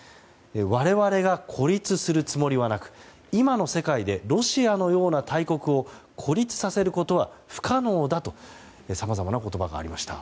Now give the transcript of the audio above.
我々が孤立するつもりはなく今の世界でロシアのような大国を孤立させることは不可能だとさまざまな言葉がありました。